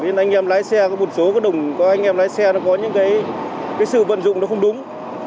nhưng anh em lái xe có một số đồng có anh em lái xe có những sự vận dụng không đúng